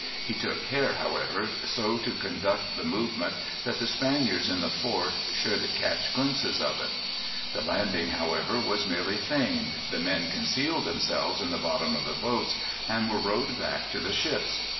He took care, however, so to conduct the movement that the Spaniards in the fort should catch glimpses of it. The landing, however, was merely feigned. The men concealed themselves in the bottom of the boats, and were rowed back to the ships.